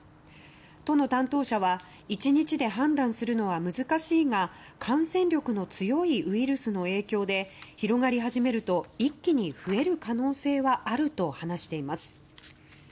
都の担当者は１日で判断するのは難しいが感染力の強いウイルスの影響で広がり始めると一気に増える可能性はあると話しています。